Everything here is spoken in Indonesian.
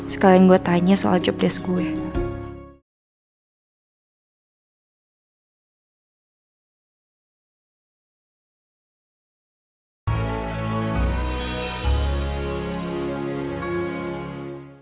sekalian saya tanya soal jobdesk saya